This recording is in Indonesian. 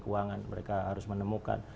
keuangan mereka harus menemukan